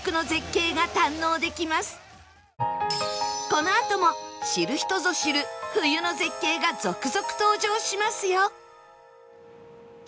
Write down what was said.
このあとも知る人ぞ知る冬の絶景が続々登場しますよ